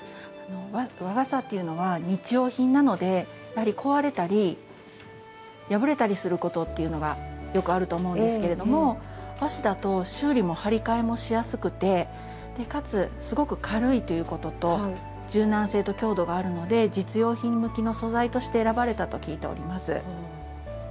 和傘っていうのは日用品なので壊れたり破れたりすることってよくあると思うんですが和紙だと修理も張り替えもしやすくてかつ、すごく軽いということで柔軟性と強度があるので実用品向きの素材として選ばれたと聞いております。